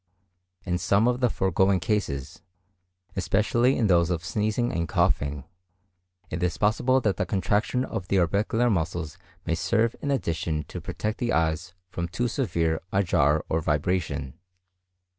In some of the foregoing cases, especially in those of sneezing and coughing, it is possible that the contraction of the orbicular muscles may serve in addition to protect the eyes from too severe a jar or vibration.